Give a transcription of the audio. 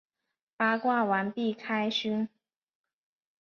八卦完毕，开勋！